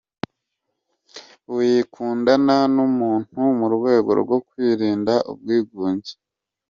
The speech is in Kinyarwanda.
Wikundana n’umuntu mu rwego rwo kwirinda ubwigunge.